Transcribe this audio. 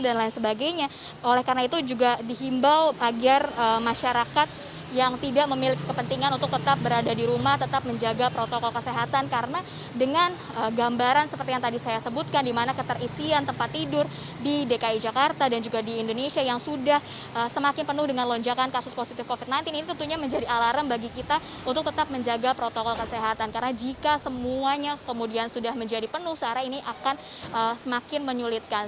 dan lain sebagainya oleh karena itu juga dihimbau agar masyarakat yang tidak memiliki kepentingan untuk tetap berada di rumah tetap menjaga protokol kesehatan karena dengan gambaran seperti yang tadi saya sebutkan di mana keterisian tempat tidur di dki jakarta dan juga di indonesia yang sudah semakin penuh dengan lonjakan kasus positif covid sembilan belas ini tentunya menjadi alarm bagi kita untuk tetap menjaga protokol kesehatan karena jika semuanya kemudian sudah menjadi penuh sarah ini akan semakin menyulitkan